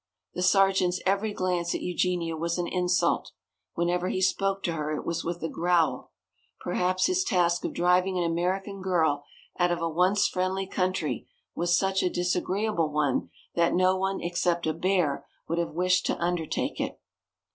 The sergeant's every glance at Eugenia was an insult, whenever he spoke to her it was with a growl. Perhaps his task of driving an American girl out of a once friendly country was such a disagreeable one that no one except a bear would have wished to undertake it.